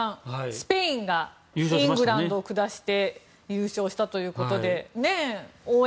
スペインがイングランドを下して優勝したということで。